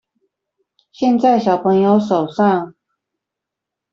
現在小朋友手上